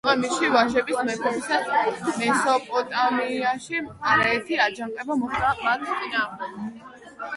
უკვე მისი ვაჟების მეფობისას მესოპოტამიაში არაერთი აჯანყება მოხდა მათ წინააღმდეგ.